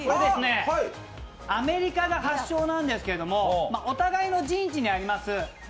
アメリカが発祥なんですけども、お互いの陣地にあります